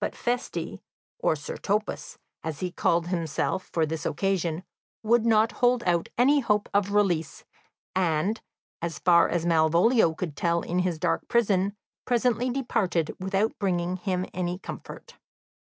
But Feste, or Sir Topas, as he called himself for this occasion, would not hold out any hope of release, and, as far as Malvolio could tell in his dark prison, presently departed, without bringing him any comfort.